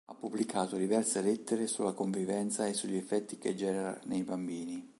Ha pubblicato diverse lettere sulla convivenza e sugli effetti che genera nei bambini.